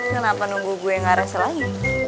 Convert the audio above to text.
kenapa nunggu gue gak rese lagi